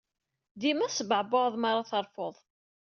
Dima tesbeɛbuɛed mi ara terfud.